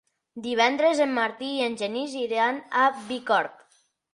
Divendres en Martí i en Genís iran a Bicorb.